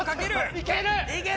いける！